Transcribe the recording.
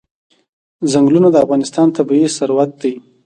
چنګلونه د افغانستان طبعي ثروت دی.